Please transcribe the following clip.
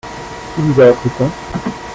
Qui vous a appris ça ?